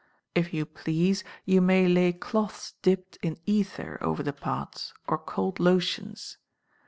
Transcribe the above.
If you please, you may lay cloths dipped in ether over the parts, or cold lotions.